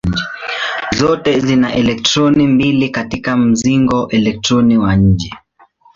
Zote zina elektroni mbili katika mzingo elektroni wa nje.